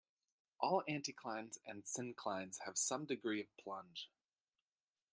All anticlines and synclines have some degree of plunge.